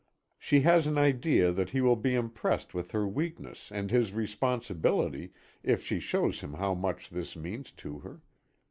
She has an idea that he will be impressed with her weakness and his responsibility if she shows him how much this means to her.